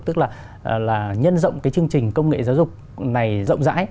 tức là nhân rộng cái chương trình công nghệ giáo dục này rộng rãi